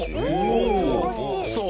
そう。